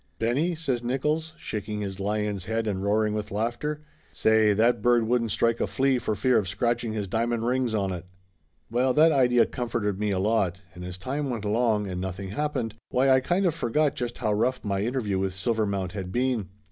"Benny?" says Nickolls, shaking his lion's head and roaring with laughter. "Say! That bird wouldn't strike a flea for fear of scratching his diamond rings on it!" Well, that idea comforted me a lot and as time went along and nothing happened, why I kind of forgot just how rough my interview with Silvermount had been.